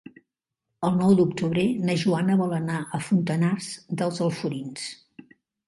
El nou d'octubre na Joana vol anar a Fontanars dels Alforins.